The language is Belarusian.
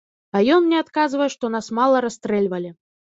А ён мне адказвае, што нас мала расстрэльвалі.